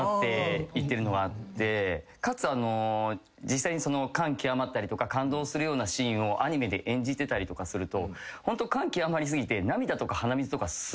かつ実際に感極まったりとか感動するようなシーンをアニメで演じてたりとかするとホント感極まりすぎて。